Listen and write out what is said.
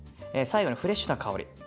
最後にフレッシュな香り。